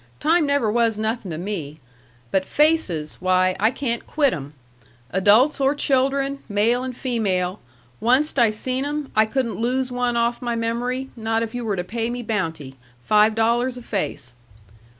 Time never was nothing to me. But faces! Why, I can't quit 'em. Adults or children, male and female; onced I seen 'em I couldn't lose one off my memory, not if you were to pay me bounty, five dollars a face.